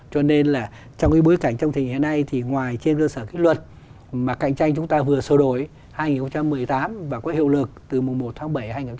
cho nên là trong cái bối cảnh trong thời gian nay thì ngoài trên cơ sở kích luật mà cạnh tranh chúng ta vừa sổ đổi hai nghìn một mươi tám và có hiệu lực từ mùa một tháng bảy hai nghìn một mươi chín